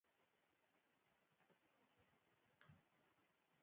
د کور د بالښت رنګه پوښ خراب شوی و.